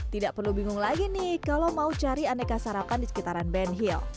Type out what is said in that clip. tidak perlu bingung lagi nih kalau mau cari aneka sarapan di sekitaran ben hill